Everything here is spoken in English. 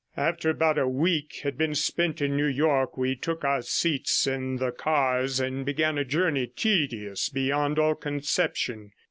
After about a week had been spent in New York we took our seats in the cars, and began a journey tedious beyond all conception.